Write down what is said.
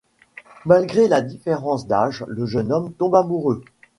Malgré la différence d'âge, le jeune homme tombe amoureux.